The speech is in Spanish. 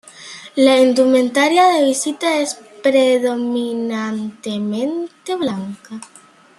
La indumentaria de visita es predominantemente blanca.